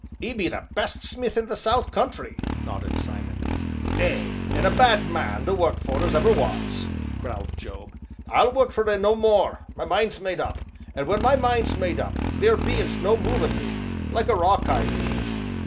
"'E be the best smith in the South Country!" nodded Simon. "Ay, an' a bad man to work for as ever was!" growled Job. "I'll work for 'e no more; my mind's made up, an' when my mind's made up theer bean't no movin' me like a rock I be!"